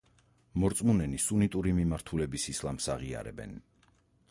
მორწმუნენი სუნიტური მიმართულების ისლამს აღიარებენ.